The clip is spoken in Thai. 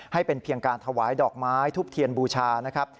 ให้เป็นเพียงการถวายดอกไม้ทุบเทียนบูชานะครับ